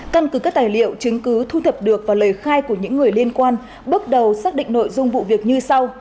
căn cứ các tài liệu chứng cứ thu thập được và lời khai của những người liên quan bước đầu xác định nội dung vụ việc như sau